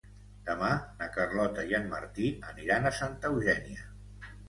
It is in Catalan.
Demà na Carlota i en Martí aniran a Santa Eugènia.